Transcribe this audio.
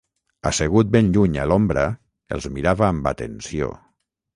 Assegut ben lluny a l'ombra els mirava amb atenció.